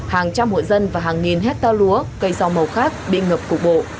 hàng trăm hội dân và hàng nghìn hectare lúa cây rau màu khác bị ngập cục bộ